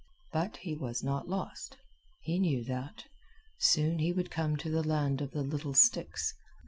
But he was not lost. He knew that. Soon he would come to the land of the little sticks.